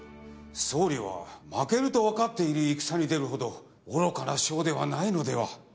総理は負けるとわかっている戦に出るほど愚かな将ではないのでは？